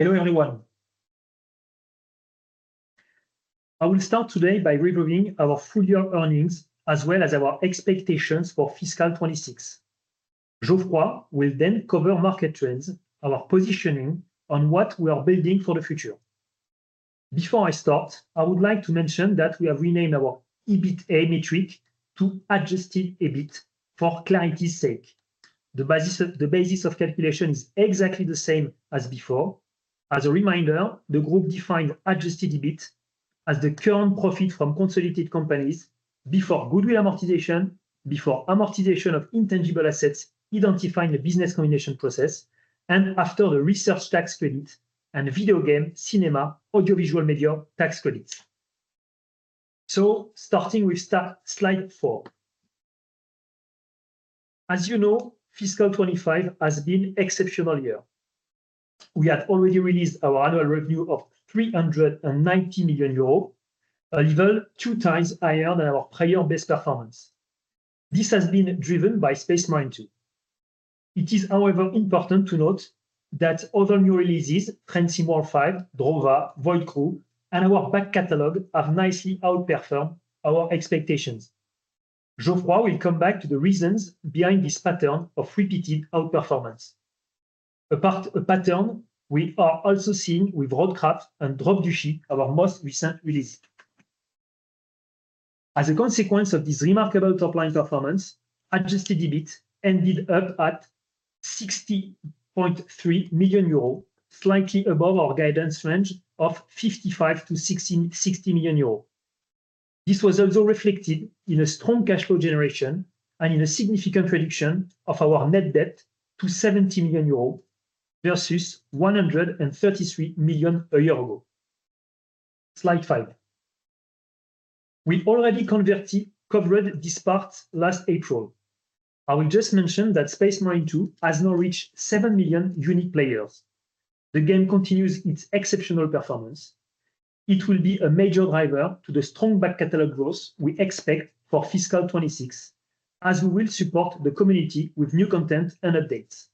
Hello, everyone. I will start today by reviewing our full-year earnings as well as our expectations for fiscal 2026. Geoffroy will then cover market trends, our positioning, and what we are building for the future. Before I start, I would like to mention that we have renamed our EBITDA metric to Adjusted EBIT for clarity's sake. The basis of calculation is exactly the same as before. As a reminder, the group defined Adjusted EBIT as the current profit from consolidated companies before goodwill amortization, before amortization of intangible assets identifying the business combination process, and after the research tax credit and video game, cinema, audiovisual media tax credits. Starting with slide four. As you know, fiscal 2025 has been an exceptional year. We had already released our annual revenue of 390 million euros, a level two times higher than our prior best performance. This has been driven by Space Marine 2. It is, however, important to note that other new releases—Train Sim World, Drova, Void Crew—and our back catalog have nicely outperformed our expectations. Geoffroy will come back to the reasons behind this pattern of repeated outperformance. A pattern we are also seeing with Roadcraft and Drop Du Chy, our most recent release. As a consequence of this remarkable top-line performance, Adjusted EBIT ended up at 60.3 million euros, slightly above our guidance range of 55-60 million euros. This was also reflected in a strong cash flow generation and in a significant reduction of our net debt to 70 million euro versus 133 million a year ago. Slide five. We already covered this part last April. I will just mention that Space Marine 2 has now reached 7 million unique players. The game continues its exceptional performance. It will be a major driver to the strong back catalog growth we expect for fiscal 26, as we will support the community with new content and updates.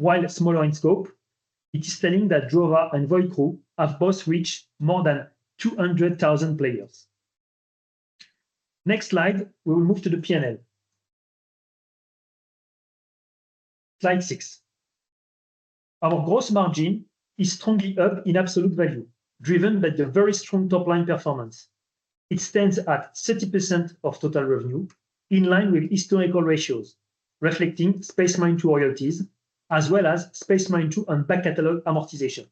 While smaller in scope, it is telling that Roadcraft and Void Crew have both reached more than 200,000 players. Next slide, we will move to the P&L. Slide six. Our gross margin is strongly up in absolute value, driven by the very strong top-line performance. It stands at 30% of total revenue, in line with historical ratios, reflecting Space Marine 2 royalties, as well as Space Marine 2 and back catalog amortization.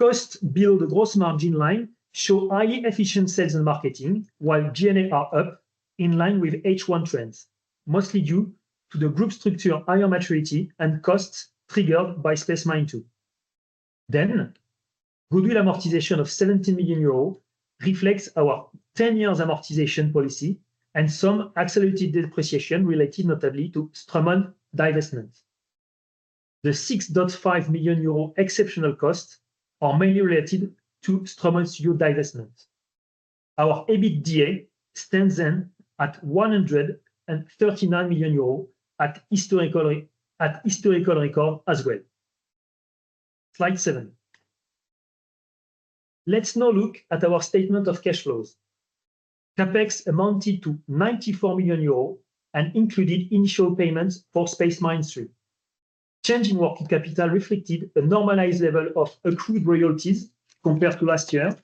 Costs below the gross margin line show highly efficient sales and marketing, while G&A are up, in line with H1 trends, mostly due to the group structure's higher maturity and costs triggered by Space Marine 2. Goodwill amortization of 17 million euros reflects our 10-year amortization policy and some accelerated depreciation related, notably, to Streum On divestment. The 6.5 million euro exceptional costs are mainly related to Streum On Studio divestment. Our EBITDA stands then at 139 million, a historical record as well. Slide seven. Let's now look at our statement of cash flows. CapEx amounted to 94 million euros and included initial payments for Space Marine 2. Changing working capital reflected a normalized level of accrued royalties compared to last year,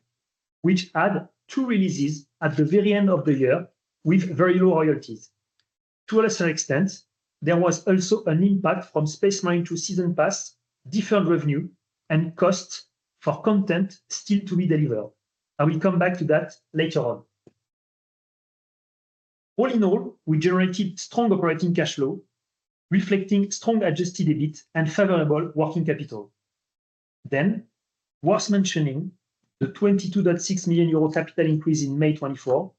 which had two releases at the very end of the year with very low royalties. To a lesser extent, there was also an impact from Space Marine 2's season pass, deferred revenue, and costs for content still to be delivered. I will come back to that later on. All in all, we generated strong operating cash flow, reflecting strong Adjusted EBIT and favorable working capital. Worth mentioning, the 22.6 million euro capital increase in May 2024,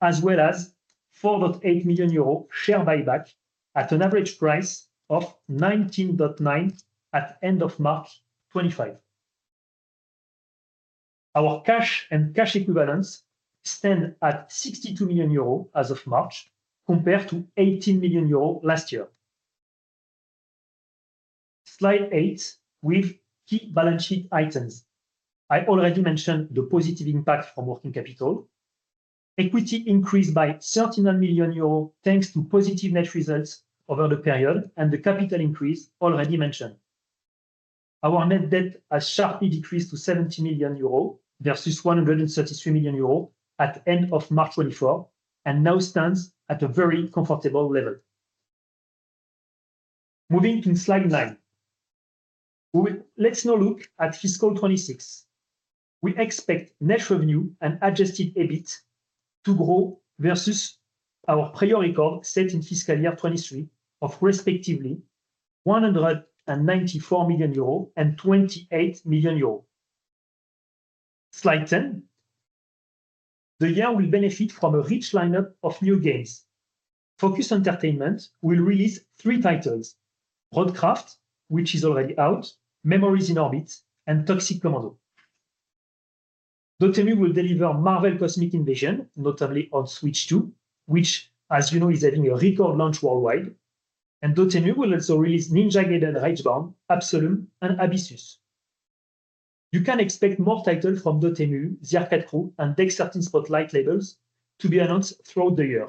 as well as 4.8 million euro share buyback at an average price of 19.9 at the end of March 2025. Our cash and cash equivalents stand at 62 million euros as of March, compared to 18 million euros last year. Slide eight with key balance sheet items. I already mentioned the positive impact from working capital. Equity increased by 39 million euros thanks to positive net results over the period and the capital increase already mentioned. Our net debt has sharply decreased to 70 million euro versus 133 million euro at the end of March 2024 and now stands at a very comfortable level. Moving to slide nine, let's now look at fiscal 2026. We expect net revenue and Adjusted EBIT to grow versus our prior record set in fiscal year 2023 of, respectively, 194 million euro and 28 million euro. Slide ten. The year will benefit from a rich lineup of new games. Pullup Entertainment will release three titles: Roadcraft, which is already out, Memories in Orbit, and Toxic Commando. Dotemu will deliver Marvel Cosmic Invasion, notably on Switch 2, which, you know, is having a record launch worldwide. Dotemu will also release Ninja Gaiden Ragebound, Absolum, and Abyssus. You can expect more titles from Dotemu, The Arcade Crew, and Dotemu Spotlight labels to be announced throughout the year,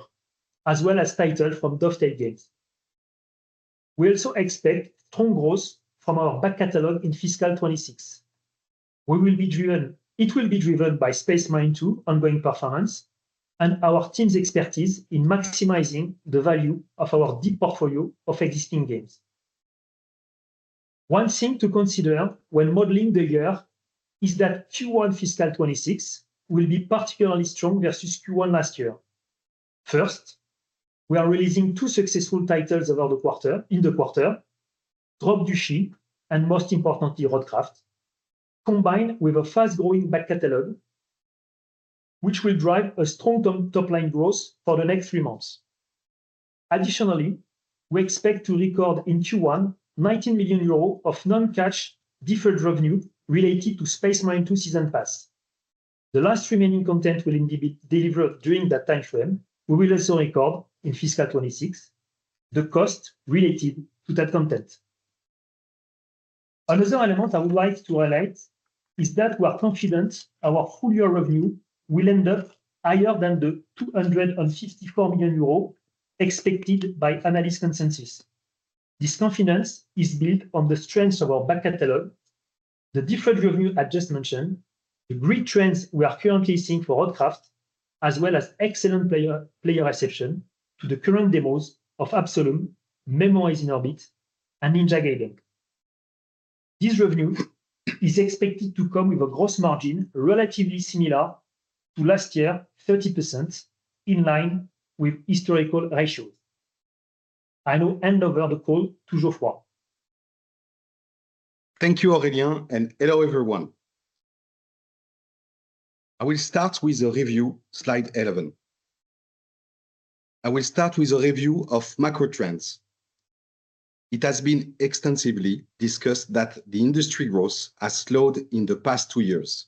as well as titles from Dovetail Games. We also expect strong growth from our back catalog in fiscal 2026. It will be driven by Space Marine 2's ongoing performance and our team's expertise in maximizing the value of our deep portfolio of existing games. One thing to consider when modeling the year is that Q1 fiscal 2026 will be particularly strong versus Q1 last year. First, we are releasing two successful titles over the quarter, Drop Du Chy and, most importantly, Roadcraft, combined with a fast-growing back catalog, which will drive a strong top-line growth for the next three months. Additionally, we expect to record in Q1 19 million euro of non-cash deferred revenue related to Space Marine 2's season pass. The last remaining content will be delivered during that time frame. We will also record in fiscal 2026 the cost related to that content. Another element I would like to highlight is that we are confident our full-year revenue will end up higher than the 254 million euros expected by analyst consensus. This confidence is built on the strengths of our back catalog, the deferred revenue I just mentioned, the great trends we are currently seeing for Roadcraft, as well as excellent player reception to the current demos of Absolum, Memories in Orbit, and Ninja Gaiden Ragebound. This revenue is expected to come with a gross margin relatively similar to last year, 30%, in line with historical ratios. I now hand over the call to Geoffroy. Thank you, Aurélien, and hello, everyone. I will start with a review, slide 11. I will start with a review of macro trends. It has been extensively discussed that the industry growth has slowed in the past two years.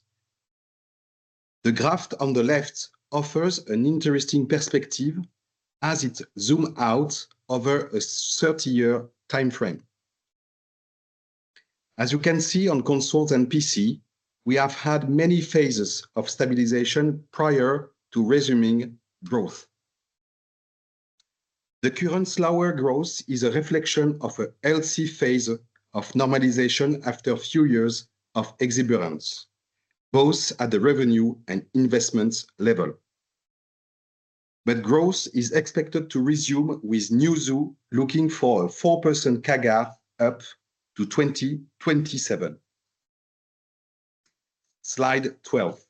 The graph on the left offers an interesting perspective as it zooms out over a 30-year time frame. As you can see on consoles and PC, we have had many phases of stabilization prior to resuming growth. The current slower growth is a reflection of a healthy phase of normalization after a few years of exuberance, both at the revenue and investment level. Growth is expected to resume with news looking for a 4% CAGR up to 2027. Slide 12.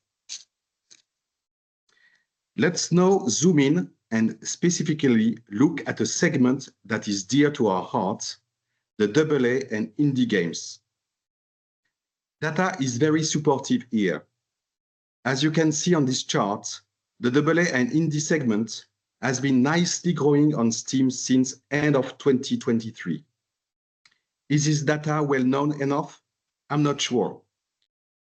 Let's now zoom in and specifically look at a segment that is dear to our hearts, the AA and indie games. Data is very supportive here. As you can see on this chart, the AA and indie segment has been nicely growing on Steam since the end of 2023. Is this data well-known enough? I'm not sure.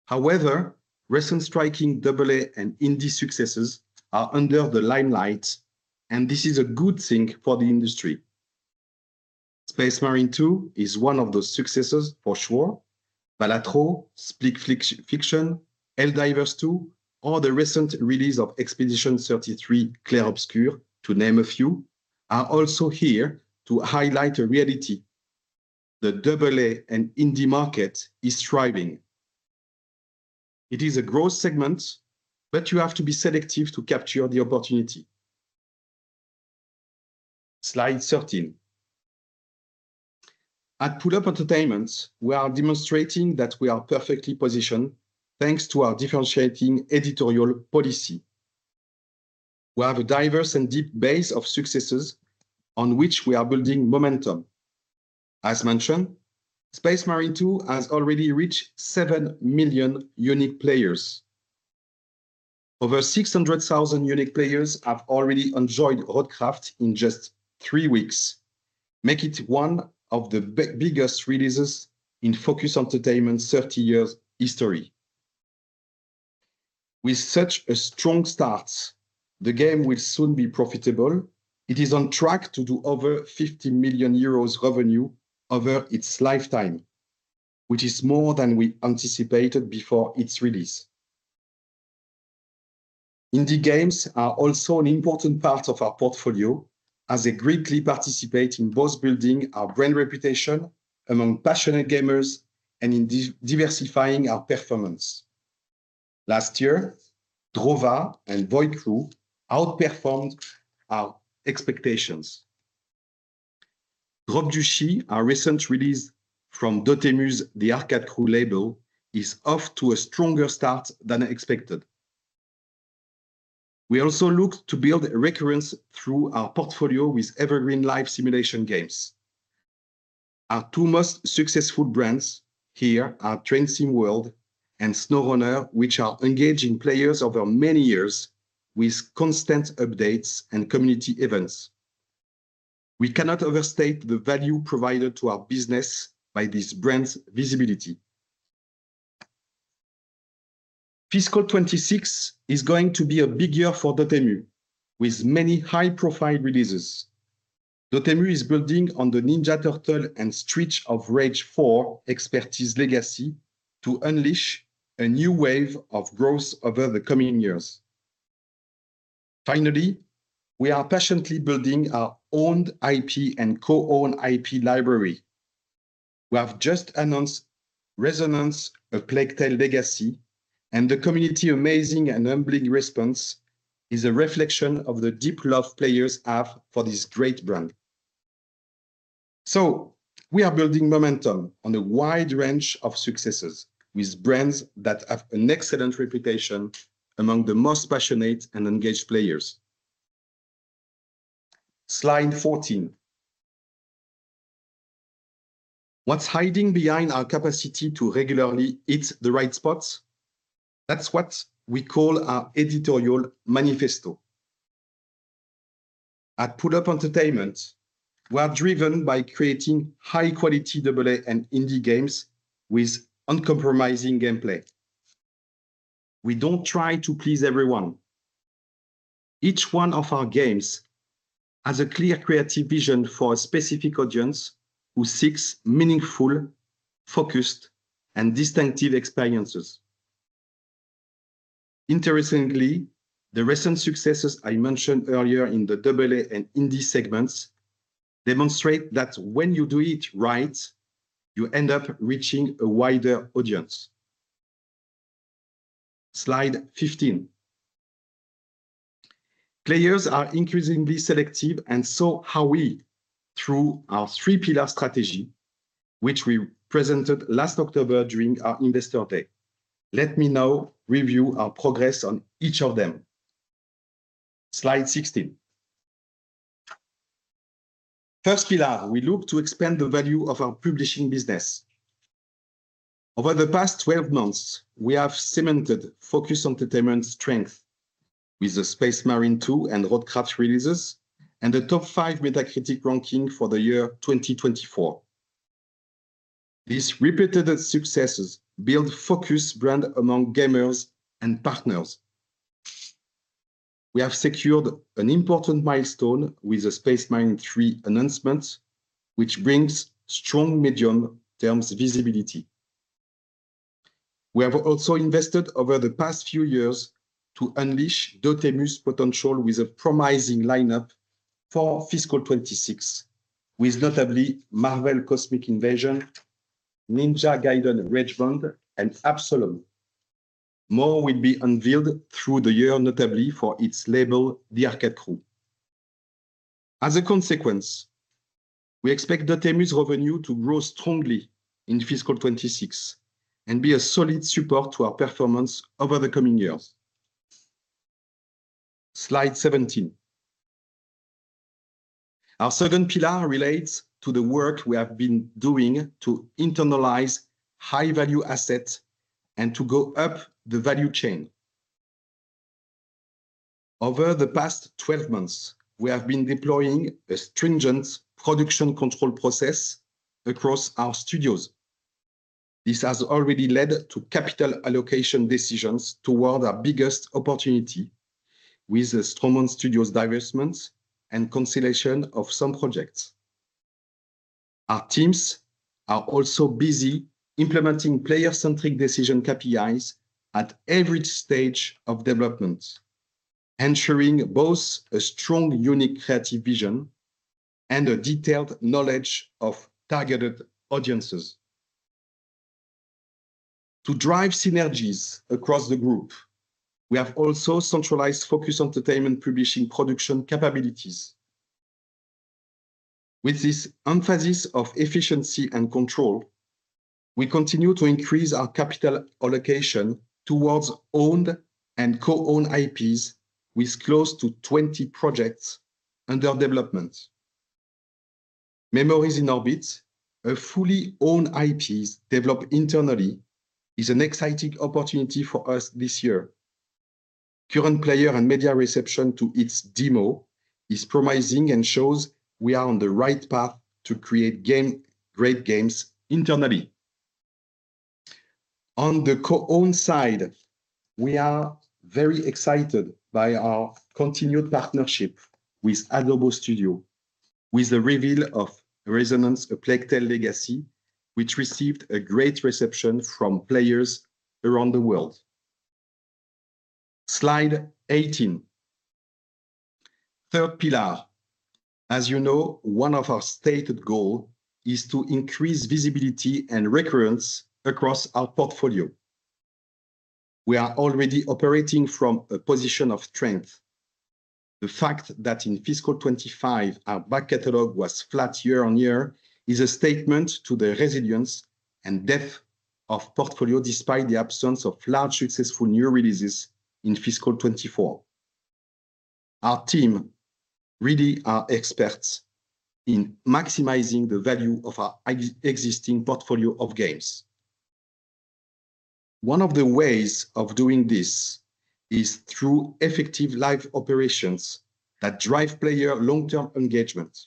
However, recent striking AA and indie successes are under the limelight, and this is a good thing for the industry. Space Marine 2 is one of those successes for sure. Balatro, Split Fiction, Helldivers 2, or the recent release of Expedition 33: Clair Obscur, to name a few, are also here to highlight a reality. The AA and indie market is thriving. It is a growth segment, but you have to be selective to capture the opportunity. Slide 13. At Pullup Entertainment, we are demonstrating that we are perfectly positioned thanks to our differentiating editorial policy. We have a diverse and deep base of successes on which we are building momentum. As mentioned, Space Marine 2 has already reached 7 million unique players. Over 600,000 unique players have already enjoyed Roadcraft in just three weeks, making it one of the biggest releases in Focus Entertainment's 30-year history. With such a strong start, the game will soon be profitable. It is on track to do over 50 million euros revenue over its lifetime, which is more than we anticipated before its release. Indie games are also an important part of our portfolio as they greatly participate in both building our brand reputation among passionate gamers and in diversifying our performance. Last year, Memories in Orbit and Void Crew outperformed our expectations. Drop Du Chy, our recent release from Dotemu's The Arcade Crew label, is off to a stronger start than expected. We also look to build a recurrence through our portfolio with evergreen live simulation games. Our two most successful brands here are Train Sim World and SnowRunner, which are engaging players over many years with constant updates and community events. We cannot overstate the value provided to our business by these brands' visibility. Fiscal 26 is going to be a big year for Dotemu, with many high-profile releases. Dotemu is building on the Ninja Turtle and Streets of Rage 4 expertise legacy to unleash a new wave of growth over the coming years. Finally, we are passionately building our own IP and co-own IP library. We have just announced Resonance: A Plague Tale Legacy, and the community's amazing and humbling response is a reflection of the deep love players have for this great brand. We are building momentum on a wide range of successes with brands that have an excellent reputation among the most passionate and engaged players. Slide 14. What's hiding behind our capacity to regularly hit the right spots? That's what we call our editorial manifesto. At Pullup Entertainment, we are driven by creating high-quality AA and indie games with uncompromising gameplay. We don't try to please everyone. Each one of our games has a clear creative vision for a specific audience who seeks meaningful, focused, and distinctive experiences. Interestingly, the recent successes I mentioned earlier in the AA and indie segments demonstrate that when you do it right, you end up reaching a wider audience. Slide 15. Players are increasingly selective and so are we through our three-pillar strategy, which we presented last October during our Investor Day. Let me now review our progress on each of them. Slide 16. First pillar, we look to expand the value of our publishing business. Over the past 12 months, we have cemented Pullup Entertainment's strength with the Space Marine 2 and Roadcraft releases and the top five Metacritic ranking for the year 2024. These reputed successes build Pullup brand among gamers and partners. We have secured an important milestone with the Space Marine 3 announcement, which brings strong medium-term visibility. We have also invested over the past few years to unleash Dotemu's potential with a promising lineup for fiscal 26, with notably Marvel Cosmic Invasion, Ninja Gaiden Ragebound, and Absolum. More will be unveiled through the year, notably for its label, The Arcade Crew. As a consequence, we expect Dotemu's revenue to grow strongly in fiscal 26 and be a solid support to our performance over the coming years. Slide 17. Our second pillar relates to the work we have been doing to internalize high-value assets and to go up the value chain. Over the past 12 months, we have been deploying a stringent production control process across our studios. This has already led to capital allocation decisions toward our biggest opportunity with Streum On Studio's divestments and cancellation of some projects. Our teams are also busy implementing player-centric decision KPIs at every stage of development, ensuring both a strong unique creative vision and a detailed knowledge of targeted audiences. To drive synergies across the group, we have also centralized Focus Entertainment publishing production capabilities. With this emphasis of efficiency and control, we continue to increase our capital allocation towards owned and co-owned IPs with close to 20 projects under development. Memories in Orbit, a fully owned IP developed internally, is an exciting opportunity for us this year. Current player and media reception to its demo is promising and shows we are on the right path to create great games internally. On the co-owned side, we are very excited by our continued partnership with Asobo Studio with the reveal of Resonance: A Plague Tale Legacy, which received a great reception from players around the world. Slide 18. Third pillar. As you know, one of our stated goals is to increase visibility and recurrence across our portfolio. We are already operating from a position of strength. The fact that in fiscal 2025, our back catalog was flat year on year is a statement to the resilience and depth of portfolio despite the absence of large successful new releases in fiscal 2024. Our team really are experts in maximizing the value of our existing portfolio of games. One of the ways of doing this is through effective live operations that drive player long-term engagement.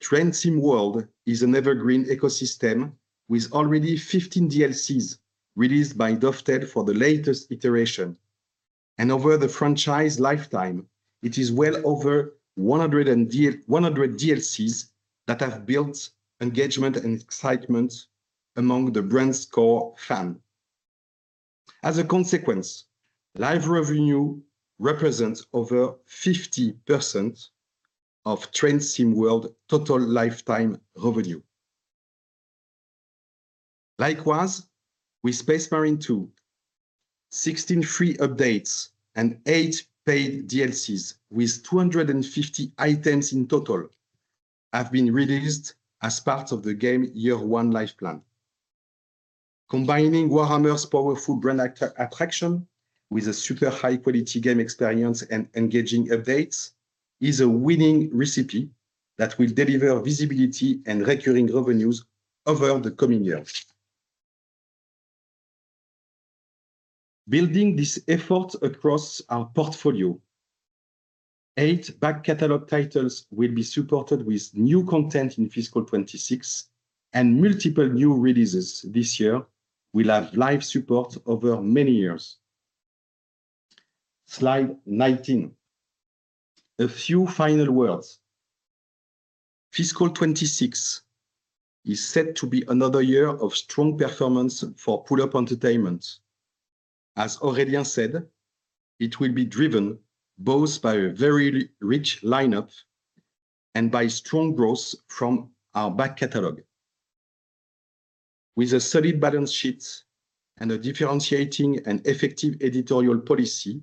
Train Sim World is an evergreen ecosystem with already 15 DLCs released by Dovetail for the latest iteration. Over the franchise lifetime, it is well over 100 DLCs that have built engagement and excitement among the brand's core fan. As a consequence, live revenue represents over 50% of Train Sim World total lifetime revenue. Likewise, with Space Marine 2, 16 free updates and eight paid DLCs with 250 items in total have been released as part of the game year one lifeplan. Combining Warhammer's powerful brand attraction with a super high-quality game experience and engaging updates is a winning recipe that will deliver visibility and recurring revenues over the coming years. Building this effort across our portfolio, eight back catalog titles will be supported with new content in fiscal 2026 and multiple new releases this year will have live support over many years. Slide 19. A few final words. Fiscal 2026 is set to be another year of strong performance for Pullup Entertainment. As Aurélien said, it will be driven both by a very rich lineup and by strong growth from our back catalog. With a solid balance sheet and a differentiating and effective editorial policy,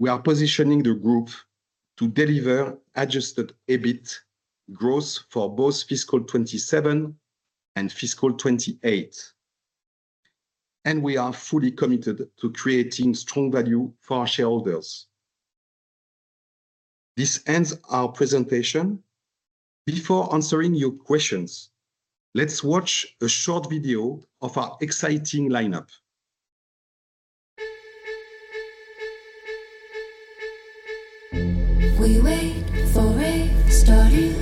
we are positioning the group to deliver adjusted EBIT growth for both fiscal 2027 and fiscal 2028. We are fully committed to creating strong value for our shareholders. This ends our presentation. Before answering your questions, let's watch a short video of our exciting lineup. We wait for a starting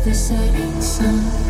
gun to race against the setting sun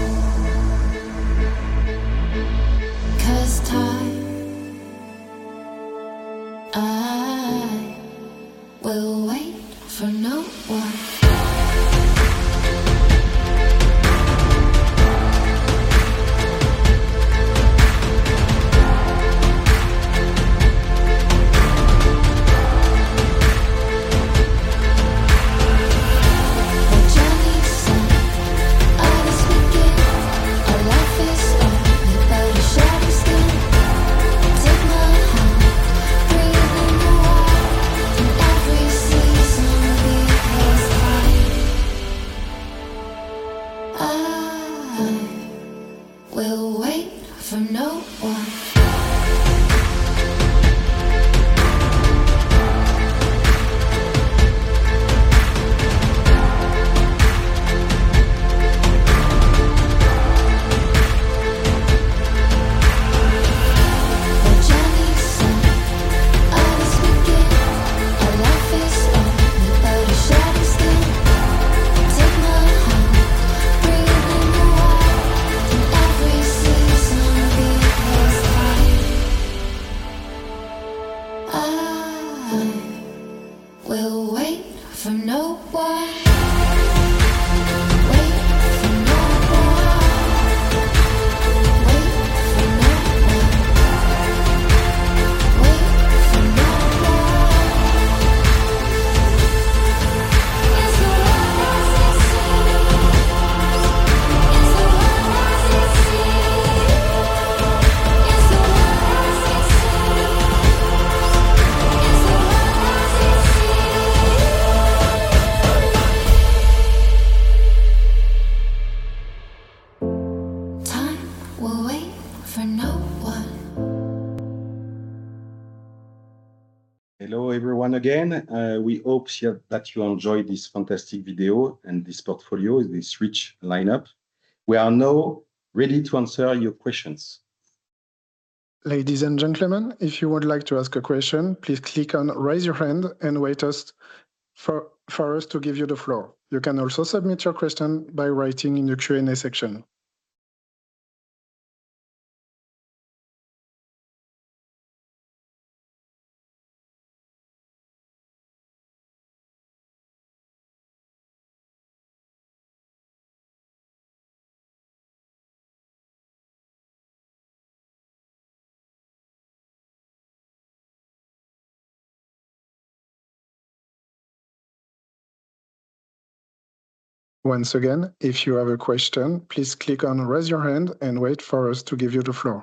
Once again, if you have a question, please click on "Raise your hand" and wait for us to give you the floor.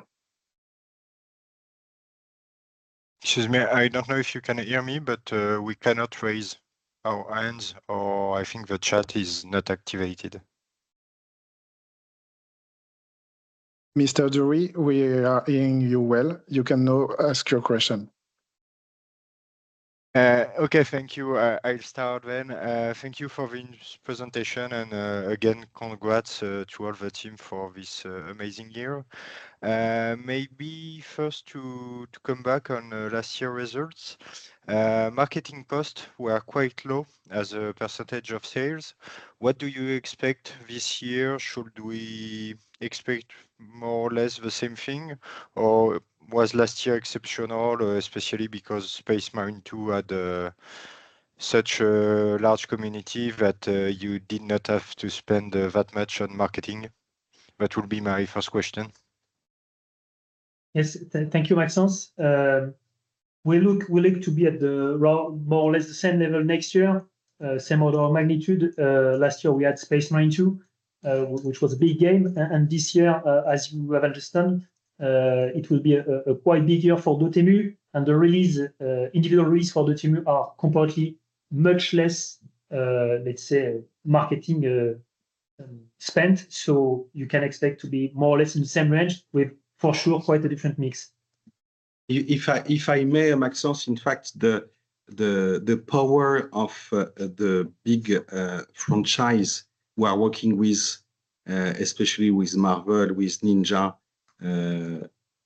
Excuse me, I don't know if you can hear me, but we cannot raise our hands or I think the chat is not activated. Mr. Durie, we are hearing you well. You can now ask your question. Okay, thank you. I'll start then. Thank you for the presentation and again, congrats to all the team for this amazing year. Maybe first to come back on last year's results. Marketing costs were quite low as a percentage of sales. What do you expect this year? Should we expect more or less the same thing? Or was last year exceptional, especially because Space Marine 2 had such a large community that you did not have to spend that much on marketing? That will be my first question. Yes, thank you, Maxence. We look to be at more or less the same level next year, same order of magnitude. Last year, we had Space Marine 2, which was a big game. This year, as you have understood, it will be a quite big year for Dotemu. The release, individual release for Dotemu, are completely much less, let's say, marketing spent. You can expect to be more or less in the same range with, for sure, quite a different mix. If I may, Maxence, in fact, the power of the big franchise we are working with, especially with Marvel, with Ninja,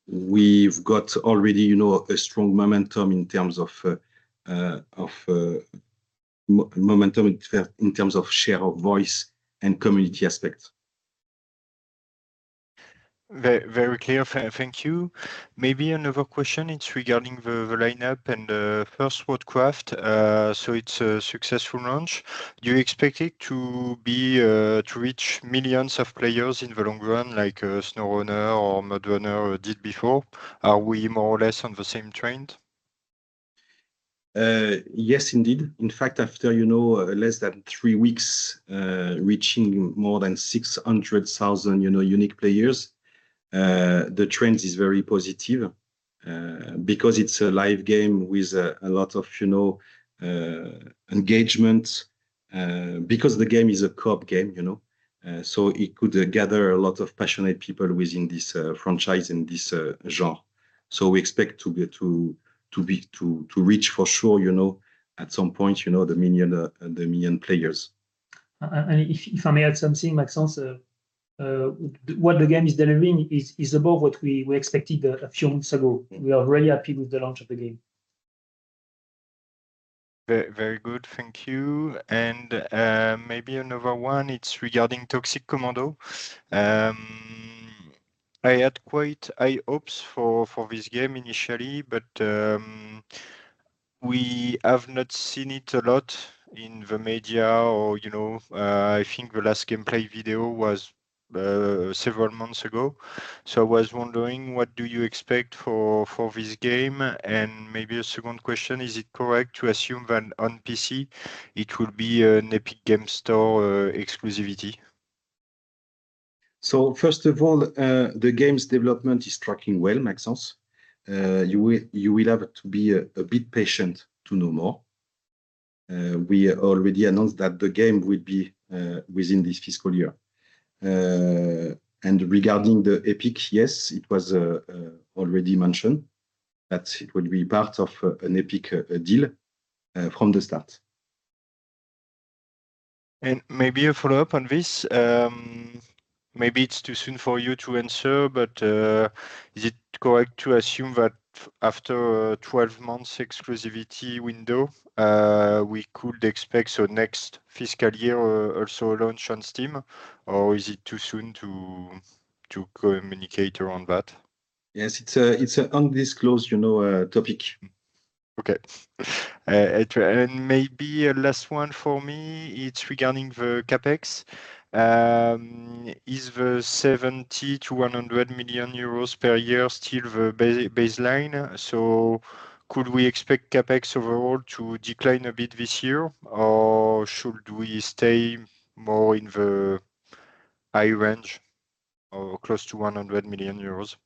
we have already a strong momentum in terms of momentum in terms of share of voice and community aspect. Very clear. Thank you. Maybe another question. It is regarding the lineup and the first Roadcraft. It is a successful launch. Do you expect it to reach millions of players in the long run, like SnowRunner or MudRunner did before? Are we more or less on the same trend? Yes, indeed. In fact, after less than three weeks reaching more than 600,000 unique players, the trend is very positive because it is a live game with a lot of engagement because the game is a co-op game. It could gather a lot of passionate people within this franchise and this genre. We expect to reach, for sure, at some point, the million players. If I may add something, Maxence, what the game is delivering is above what we expected a few months ago. We are very happy with the launch of the game. Very good. Thank you. Maybe another one, it is regarding Toxic Commando. I had quite high hopes for this game initially, but we have not seen it a lot in the media. I think the last gameplay video was several months ago. I was wondering, what do you expect for this game? Maybe a second question, is it correct to assume that on PC, it will be an Epic Games Store exclusivity? First of all, the game's development is tracking well, Maxence. You will have to be a bit patient to know more. We already announced that the game would be within this fiscal year. Regarding the Epic, yes, it was already mentioned that it would be part of an Epic deal from the start. Maybe a follow-up on this. Maybe it's too soon for you to answer, but is it correct to assume that after a 12-month exclusivity window, we could expect next fiscal year also a launch on Steam? Or is it too soon to communicate around that? Yes, it's an undisclosed topic. Okay. Maybe a last one for me, it's regarding the CapEx. Is the 70 million-100 million euros per year still the baseline? Could we expect CapEx overall to decline a bit this year? Or should we stay more in the high range or close to 100 million euros?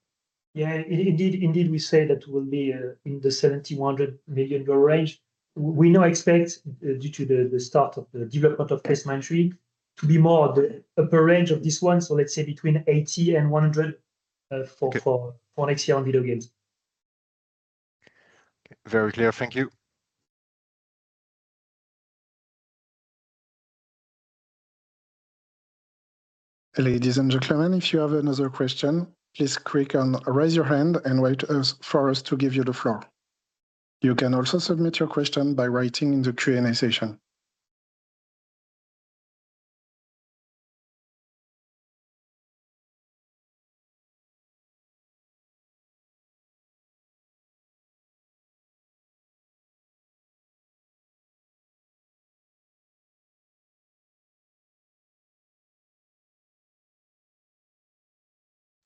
Yeah, indeed, we say that we'll be in the 70 million-100 million euro range. We now expect, due to the start of the development of TraceMind3, to be more at the upper range of this one. Let's say between 80 million-100 million for next year on video games. Very clear. Thank you. Ladies and gentlemen, if you have another question, please click on "Raise your hand" and wait for us to give you the floor. You can also submit your question by writing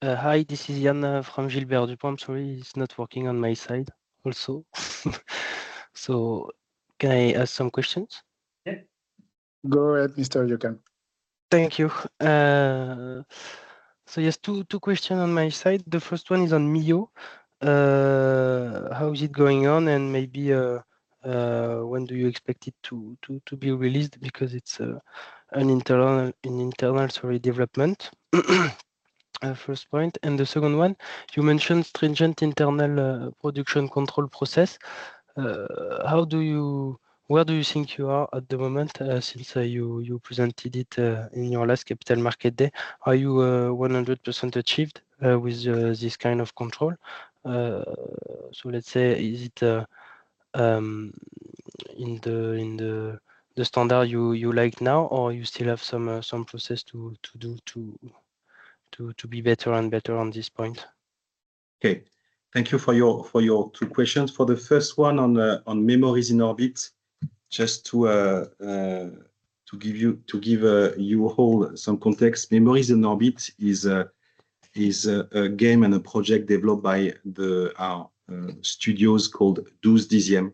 in the Q&A session. Hi, this is Yann from Gilbert du Pont. Sorry, it's not working on my side also. Can I ask some questions? Go ahead, Mr. Yukan. Thank you. Yes, two questions on my side. The first one is on Mio. How is it going on? And maybe when do you expect it to be released? Because it is an internal development. First point. The second one, you mentioned stringent internal production control process. Where do you think you are at the moment since you presented it in your last capital market day? Are you 100% achieved with this kind of control? Let's say, is it in the standard you like now, or do you still have some process to do to be better and better on this point? Okay. Thank you for your two questions. For the first one on Memories in Orbit, just to give you some context, Memories in Orbit is a game and a project developed by our studios called Douze Dixième.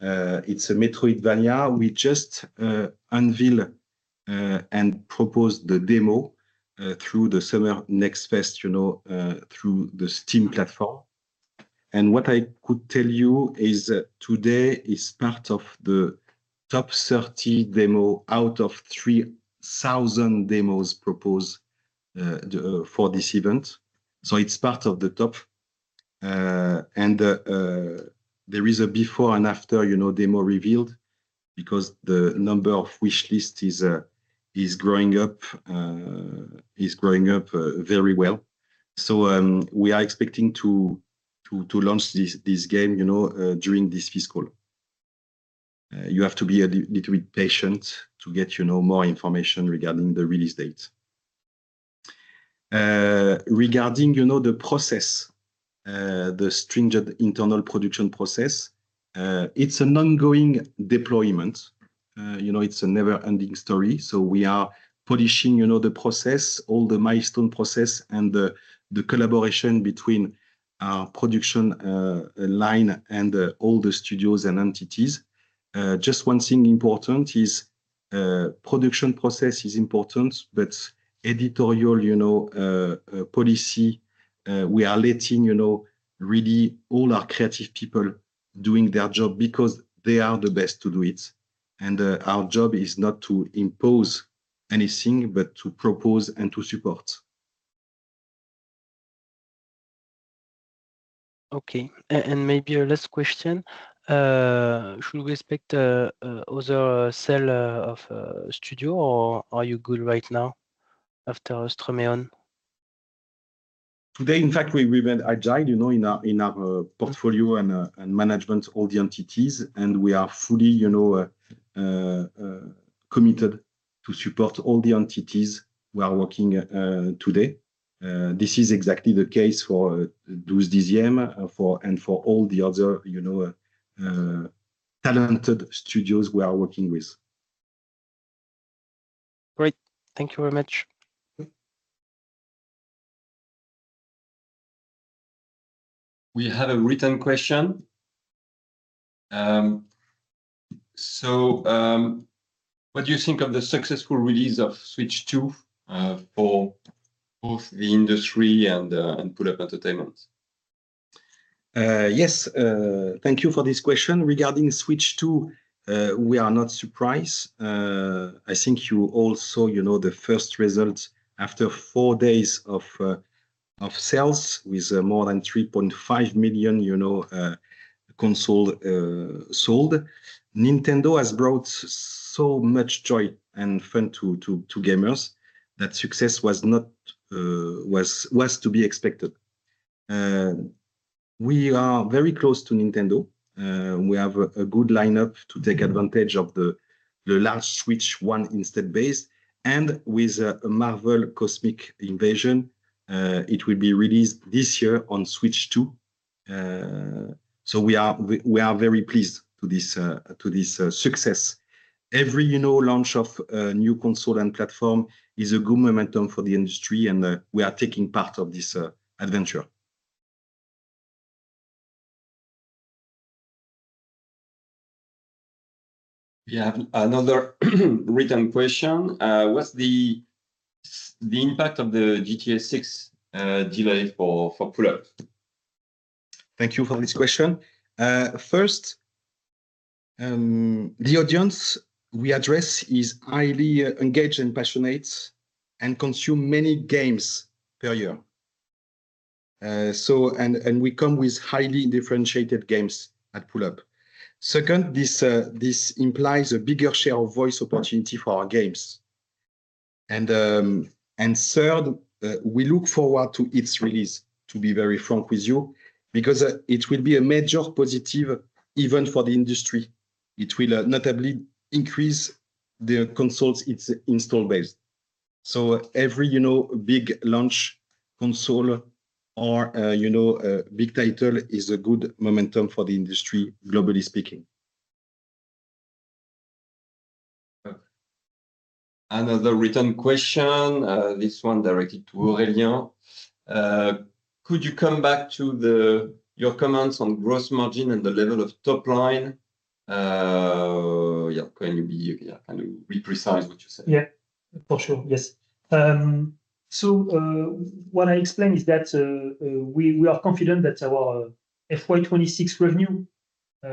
It is a metroidvania. We just unveiled and proposed the demo through the Summer Next Fest through the Steam platform. What I could tell you is today it is part of the top 30 demo out of 3,000 demos proposed for this event. It is part of the top. There is a before and after demo revealed because the number of wish lists is growing up very well. We are expecting to launch this game during this fiscal. You have to be a little bit patient to get more information regarding the release date. Regarding the process, the stringent internal production process, it is an ongoing deployment. It is a never-ending story. We are polishing the process, all the milestone process, and the collaboration between our production line and all the studios and entities. Just one thing important is production process is important, but editorial policy, we are letting really all our creative people doing their job because they are the best to do it. Our job is not to impose anything, but to propose and to support. Okay. Maybe a last question. Should we expect other sale of studio or are you good right now after Streum On? Today, in fact, we went agile in our portfolio and management, all the entities, and we are fully committed to support all the entities we are working today. This is exactly the case for Douze Dixième and for all the other talented studios we are working with. Great. Thank you very much. We have a written question. What do you think of the successful release of Switch 2 for both the industry and Pullup Entertainment? Yes, thank you for this question. Regarding Switch 2, we are not surprised. I think you also saw the first results after four days of sales with more than 3.5 million consoles sold. Nintendo has brought so much joy and fun to gamers that success was to be expected. We are very close to Nintendo. We have a good lineup to take advantage of the large Switch 1 install base. With Marvel Cosmic Invasion, it will be released this year on Switch 2. We are very pleased with this success. Every launch of a new console and platform is good momentum for the industry, and we are taking part of this adventure. We have another written question. What's the impact of the GTA 6 delay for Pullup? Thank you for this question. First, the audience we address is highly engaged and passionate and consumes many games per year. We come with highly differentiated games at Pullup. Second, this implies a bigger share of voice opportunity for our games. Third, we look forward to its release, to be very frank with you, because it will be a major positive event for the industry. It will notably increase the console's install base. Every big launch console or big title is a good momentum for the industry, globally speaking. Another written question. This one directed to Aurélien. Could you come back to your comments on gross margin and the level of top line? Can you kind of reprise what you said? Yeah, for sure. Yes. What I explained is that we are confident that our FY2026 revenue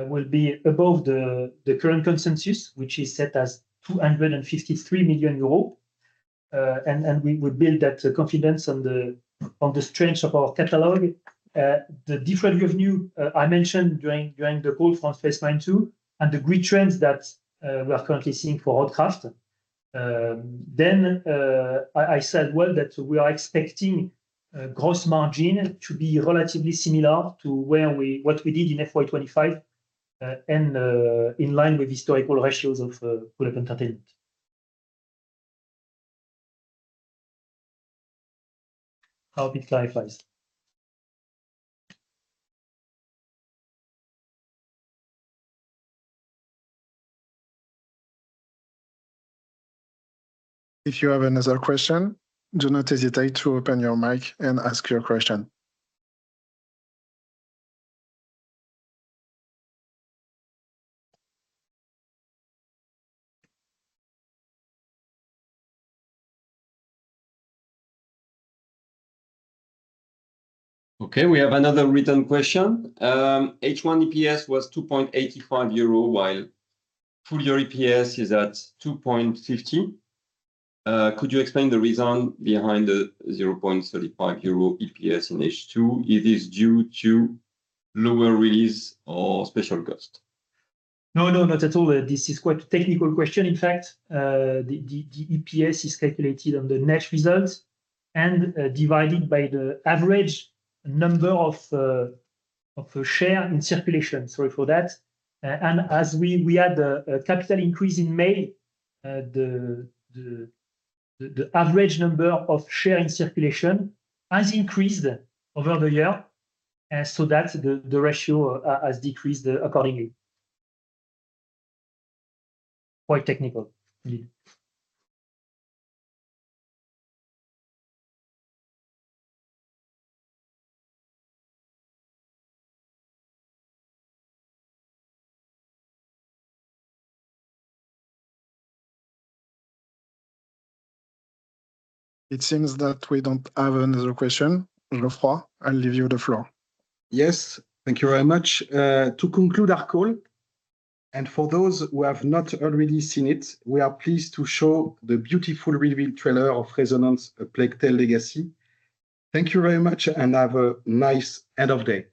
will be above the current consensus, which is set as 253 million euros. We will build that confidence on the strength of our catalog. The different revenue I mentioned during the whole France Face Mine 2 and the great trends that we are currently seeing for Roadcraft. I said that we are expecting gross margin to be relatively similar to what we did in FY 2025 and in line with historical ratios of Pullup Entertainment. I hope it clarifies. If you have another question, do not hesitate to open your mic and ask your question. Okay, we have another written question. H1 EPS was 2.85 euro, while full year EPS is at 2.50. Could you explain the reason behind the 0.35 euro EPS in H2? Is this due to lower release or special cost? No, no, not at all. This is quite a technical question. In fact, the EPS is calculated on the net result and divided by the average number of share in circulation. Sorry for that. As we had a capital increase in May, the average number of shares in circulation has increased over the year so that the ratio has decreased accordingly. Quite technical. It seems that we do not have another question. Geoffroy, I will leave you the floor. Yes, thank you very much. To conclude our call, and for those who have not already seen it, we are pleased to show the beautiful reveal trailer of Resonance: A Plague Tale Legacy. Thank you very much and have a nice end of day.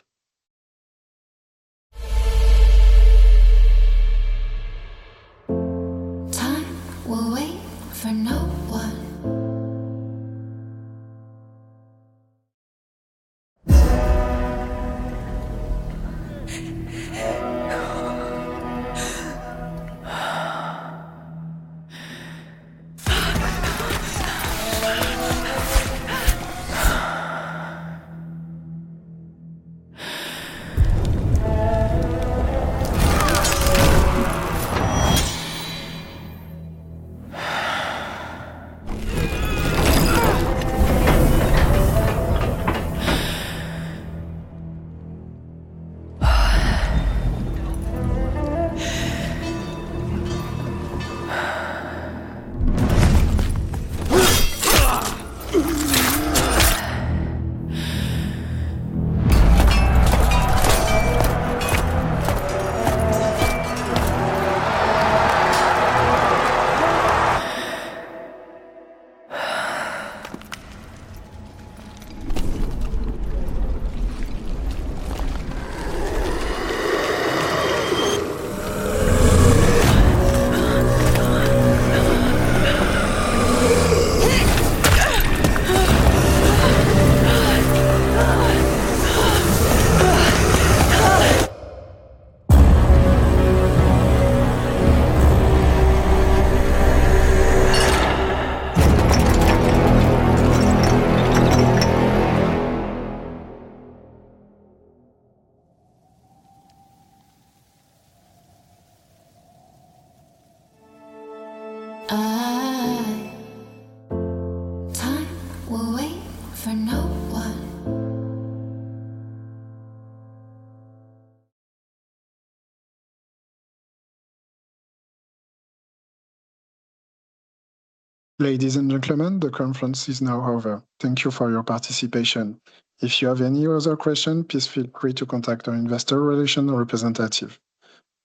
Time will wait for no one. Time will wait for no one. Ladies and gentlemen, the conference is now over. Thank you for your participation. If you have any other questions, please feel free to contact our investor relations representative.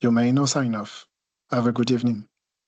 Your main sign-off. Have a good evening.